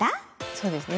そうですね。